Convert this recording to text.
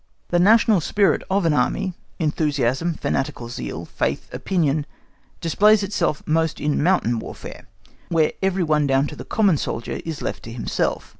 The national spirit of an Army (enthusiasm, fanatical zeal, faith, opinion) displays itself most in mountain warfare, where every one down to the common soldier is left to himself.